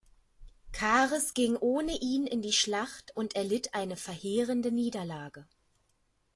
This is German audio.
Chares ging ohne ihn in die Schlacht und erlitt eine verheerende Niederlage.